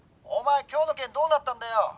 お前今日の件どうなったんだよ？